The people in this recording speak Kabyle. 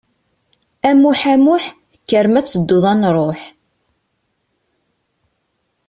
A Muḥ a Muḥ, kker ma tedduḍ ad nṛuḥ.